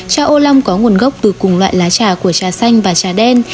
trà ô long có nguồn gốc từ cùng loại lá trà của trà xanh và trà đen